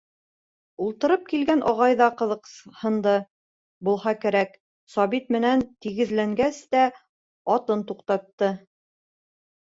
Ултырып килгән ағай ҙа ҡыҙыҡһынды булһа кәрәк, Сабит менән тигеҙләнгәс тә, атын туҡтатты.